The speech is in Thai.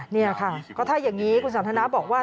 นี่ค่ะก็ถ้าอย่างนี้คุณสันทนาบอกว่า